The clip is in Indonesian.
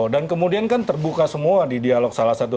dan kemudian kan terbuka semua di dialog salah satu tim